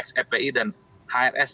hpi dan hrsi